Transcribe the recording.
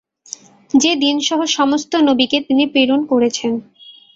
যে দীনসহ সমস্ত নবীকে তিনি প্রেরণ করেছেন।